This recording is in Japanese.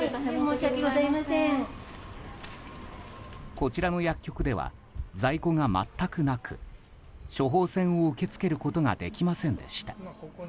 こちらの薬局では在庫が全くなく処方箋を受け付けることができませんでした。